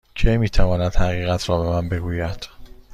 کی می تواند حقیقت را به من بگوید؟